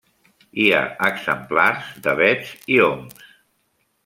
Hi ha exemplars d'avets i oms.